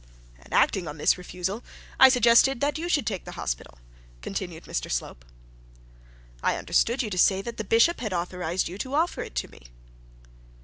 'And acting on this refusal I suggested that you should take the hospital,' continued Mr Slope. 'I understood you to say that the bishop had authorised you to offer it to me.'